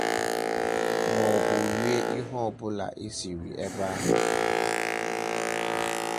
maọbụ rie ihe ọbụla e siri ebe ahụ